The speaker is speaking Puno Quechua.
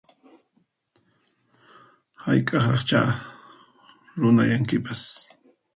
Hayk'aqraqchá runayankipas